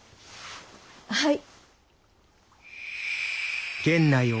はい。